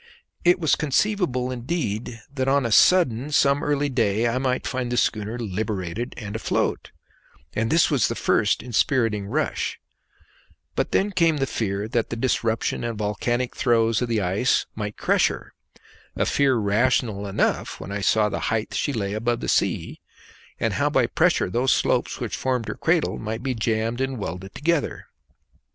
It was conceivable indeed that on a sudden some early day I might find the schooner liberated and afloat, and this was the first inspiriting flush; but then came the fear that the disruption and volcanic throes of the ice might crush her, a fear rational enough when I saw the height she lay above the sea, and how by pressure those slopes which formed her cradle might be jammed and welded together.